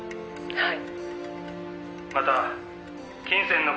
「はい」